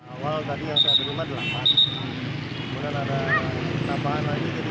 awal tadi yang saya dirima delapan kemudian ada tambahan lagi jadi tiga belas